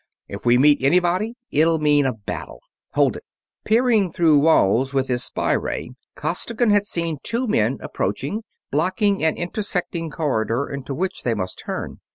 If we meet anybody it'll mean a battle. Hold it!" Peering through walls with his spy ray, Costigan had seen two men approaching, blocking an intersecting corridor into which they must turn.